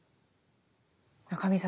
中見さん